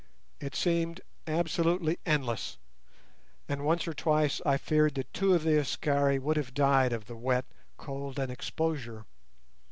It seemed absolutely endless, and once or twice I feared that two of the Askari would have died of the wet, cold, and exposure.